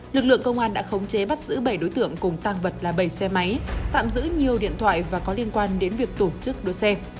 lực lượng công an đã khống chế bắt giữ bảy đối tượng cùng tăng vật là bảy xe máy tạm giữ nhiều điện thoại và có liên quan đến việc tổ chức đua xe